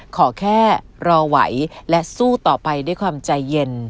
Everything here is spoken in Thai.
ขอแค่รอไหวและสู้ต่อไปด้วยความใจเย็น